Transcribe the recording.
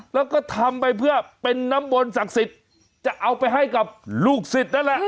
แล้วก็ทำไปเพื่อเป็นน้ำมนต์ศักดิ์สิทธิ์จะเอาไปให้กับลูกศิษย์นั่นแหละ